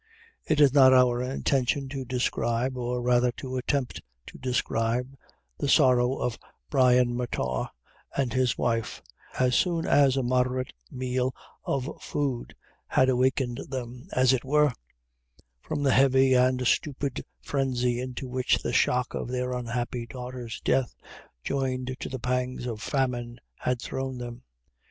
It is not our intention to describe, or rather to attempt to describe, the sorrow of Brian Murtagh and his wife, as soon as a moderate meal of food had awakened them, as it were, from the heavy and stupid frenzy into which the shock of their unhappy daughter's death, joined to the pangs of famine, had thrown them.